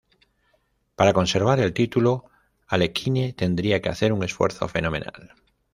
Para conservar el título, Alekhine tendría que hacer un esfuerzo fenomenal.